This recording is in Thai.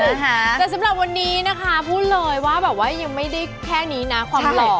แต่สำหรับวันนี้นะคะพูดเลยว่าแบบว่ายังไม่ได้แค่นี้นะความหล่อ